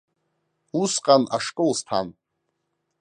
Усҟан ашкол сҭан.